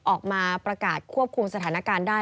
ออกมาประกาศควบคุมสถานการณ์ได้